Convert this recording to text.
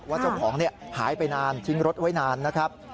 เจ้าของหายไปนานทิ้งรถไว้นานนะครับ